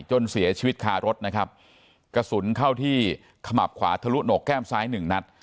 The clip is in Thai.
จนเสียชีวิตคารถนะครับกระสุนเข้าที่ขมับขวาทะลุโหนกแก้มซ้ายหนึ่งนัด